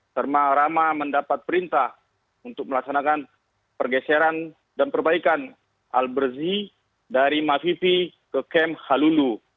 serma rahma mendapat perintah untuk melaksanakan pergeseran dan perbaikan al berzi dari mafifi ke kem halulu